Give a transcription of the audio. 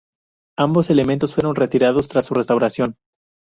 Ambos elementos fueron retirados tras su restauración.